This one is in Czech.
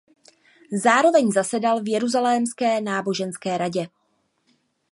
Zároveň zasedal v jeruzalémské náboženské radě.